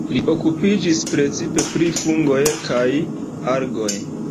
Li okupiĝis precipe pri fungoj kaj algoj.